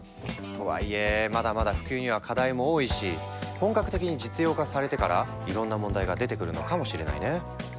とはいえまだまだ普及には課題も多いし本格的に実用化されてからいろんな問題が出てくるのかもしれないね。